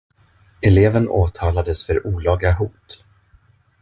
Eleven åtalades för olaga hot.